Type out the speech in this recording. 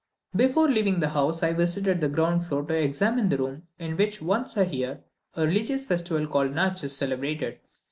Before leaving the house, I visited the ground floor to examine the room, in which, once a year, the religious festival called Natch is celebrated.